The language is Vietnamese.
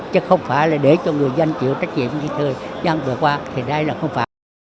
chứ không phải là để cho người dân chịu trách nhiệm như thường dân vừa qua thì đây là không phải